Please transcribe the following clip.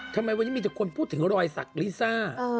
ทำไมวันนี้มีแต่คนพูดถึงรอยสักลิซ่า